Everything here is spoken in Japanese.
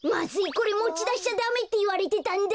これもちだしちゃダメっていわれてたんだ。